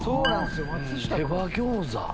手羽餃子。